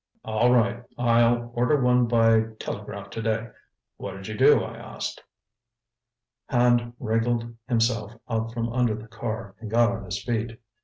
"All right, I'll order one by telegraph to day. What 'd you do, I asked." Hand wriggled himself out from under the car and got on his feet.